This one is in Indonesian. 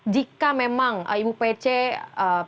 jika memang ibu pece tidak memenuhi pemeriksaan